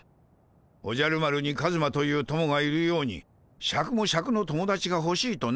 おじゃる丸にカズマという友がいるようにシャクもシャクの友達がほしいとな。